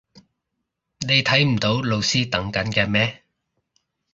你睇唔到老師等緊嘅咩？